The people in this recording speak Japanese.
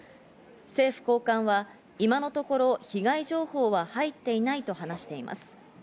政府高官は今のところ被害情報は入っていないと話しています。